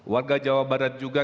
warga jawa barat juga